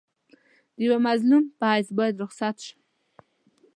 د یوه مظلوم په حیث باید رخصت شم.